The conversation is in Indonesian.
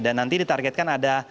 dan nanti ditargetkan ada